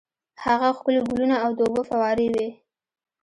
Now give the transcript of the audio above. هلته ښکلي ګلونه او د اوبو فوارې وې.